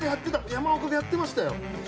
山岡がやってましたよ。